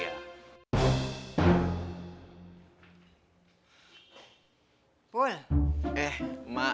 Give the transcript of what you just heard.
jadi bapak bapak sekalian jangan seperti kemarin